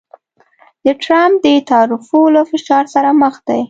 د ټرمپ د تعرفو له فشار سره مخ دی